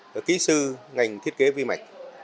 và kỹ sư ngành thiết kế vi mạch